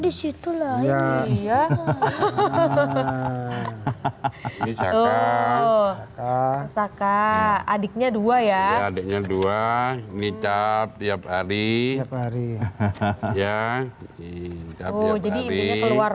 disitulah ya hahaha hahaha saka adiknya dua ya adeknya dua nidab tiap hari hari ya jadi keluar